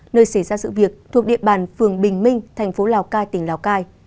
nơi xảy ra sự việc thuộc địa bàn phường bình minh thành phố lào cai tỉnh lào cai